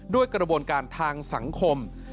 ด้วยกระบวนการทางสังคม